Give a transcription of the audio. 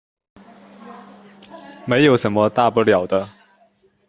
没什么大不了的